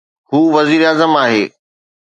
هو وزيراعظم آهي.